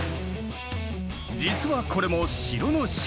実はこれも城の仕掛け。